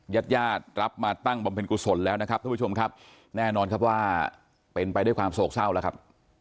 ญาติญาติรับมาตั้งบำเพ็ญกุศลแล้วนะครับทุกผู้ชมครับแน่นอนครับว่าเป็นไปด้วยความโศกเศร้าแล้วครับ